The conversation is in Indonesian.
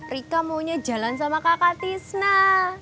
rika maunya jalan sama kakak tisna